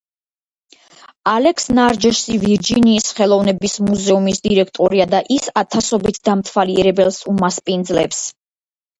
ალექს ნარჯესი ვირჯინიის ხელოვნების მუზეუმის დირექტორია და ის ათასობით დამთვალიერებელს უმასპინძლებს.